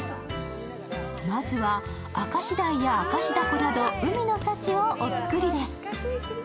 まず明石鯛や明石だこなど海の幸をおつくりで。